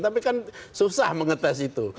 tapi kan susah mengetes itu